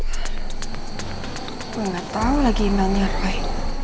aku gak tau lagi imannya roy